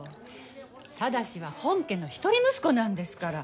正は本家の一人息子なんですから。